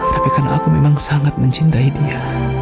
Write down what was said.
tapi karena aku memang sangat mencintai dia